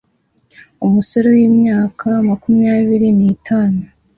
umusore w'imyaka makumyabiri nitatu